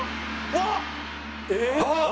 あっ！